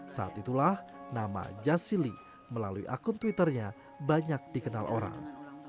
saat itulah nama jas sili melalui akun twitternya banyak dikenal orang